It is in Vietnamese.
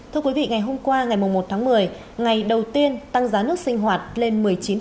thưa quý vị ngày hôm qua ngày một tháng một mươi ngày đầu tiên tăng giá nước sinh hoạt lên một mươi chín